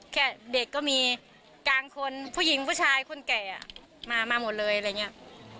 เด็กก็มีกลางคนผู้หญิงผู้ชายคนแก่มาหมดเลยอะไรอย่างนี้